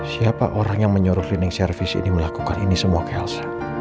siapa orang yang menyuruh cleaning service ini melakukan ini semua chaos